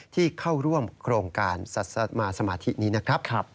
ที่เข้าร่วมโครงการสมาธินี้นะครับ